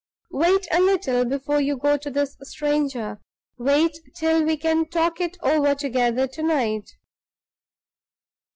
Wait a little before you go to this stranger; wait till we can talk it over together to night."